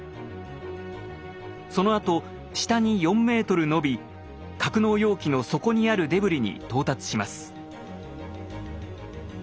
そのあと下に４ｍ伸び格納容器の底にあるデブリに到達します。